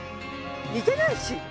似てないし。